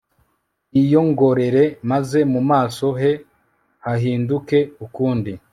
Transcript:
yiyongorere, maze mu maso he hahinduke ukundi